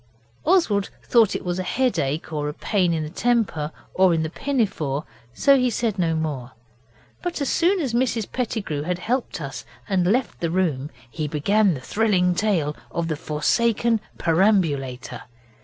Oswald thought it was headache, or pain in the temper, or in the pinafore, so he said no more, but as soon as Mrs Pettigrew had helped us and left the room he began the thrilling tale of the forsaken perambulator.